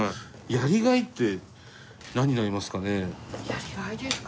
やりがいですか？